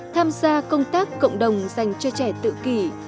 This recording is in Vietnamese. tham gia công tác cộng đồng dành cho trẻ tự kỷ